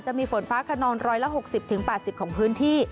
จะมีฝนฟ้าคณองร้อยละ๖๐๘๐ของพื้นที่